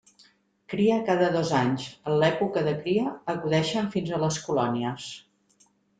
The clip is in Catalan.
Cria cada dos anys, En l'època de cria acudeixen fins a les colònies.